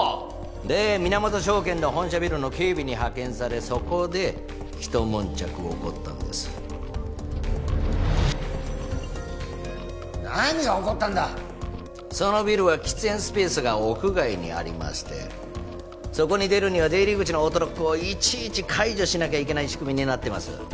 で源証券の本社ビルの警備に派遣されそこで一悶着起こったんです何が起こったんだそのビルは喫煙スペースが屋外にありましてそこに出るには出入り口のオートロックをいちいち解除しなきゃいけない仕組みになってます